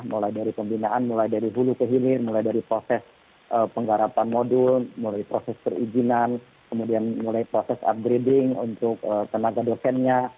mulai dari pembinaan mulai dari hulu ke hilir mulai dari proses penggarapan modul mulai proses perizinan kemudian mulai proses upgrading untuk tenaga dosennya